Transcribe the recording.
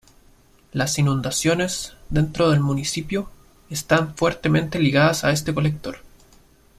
Las inundaciones, dentro del municipio, están fuertemente ligadas a este colector.